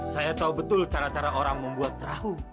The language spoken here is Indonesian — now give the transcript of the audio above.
saya tahu betul cara cara orang membuat perahu